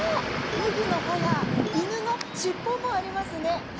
麦の穂や犬の尻尾もありますね。